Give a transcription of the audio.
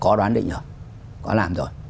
có đoán định rồi có làm rồi